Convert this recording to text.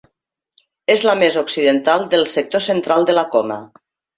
És la més occidental del sector central de la Coma.